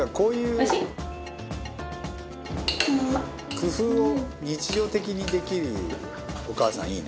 「工夫を日常的にできるお母さんいいな」